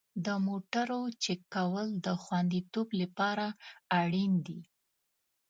د موټرو چک کول د خوندیتوب لپاره اړین دي.